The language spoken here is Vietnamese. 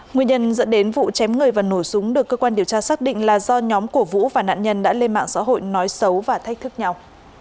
nguyên nhân dẫn đến vụ chém người và nổ súng được cơ quan điều tra xác định là do nhóm của vũ và nạn nhân đã lên mạng xã hội nói xấu và thách thức nhau